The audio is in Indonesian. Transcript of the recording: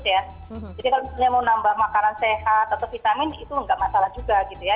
jadi kalau misalnya mau menambah makanan sehat atau vitamin itu tidak masalah juga gitu ya